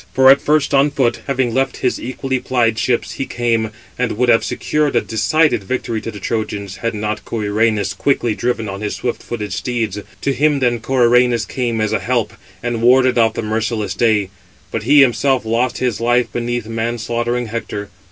For at first on foot, having left his equally plied ships, he came, and would have secured a decided victory to the Trojans, had not Coeranus quickly driven on his swift footed steeds: to him then he (Coeranus) came as a help, and warded off the merciless day; but he himself lost his life beneath man slaughtering Hector.